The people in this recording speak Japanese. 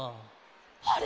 あれ！？